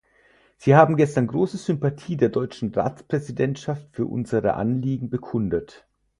Sie haben gestern große Sympathie der deutschen Ratspräsidentschaft für unsere Anliegen bekundet.